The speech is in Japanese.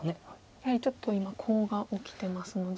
やはりちょっと今コウが起きてますので。